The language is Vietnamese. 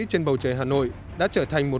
trên bầu trời hà nội đã trở thành một